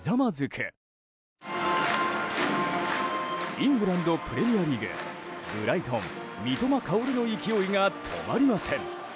イングランド・プレミアリーグブライトン三笘薫の勢いが止まりません。